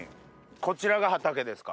こちらが畑ですか？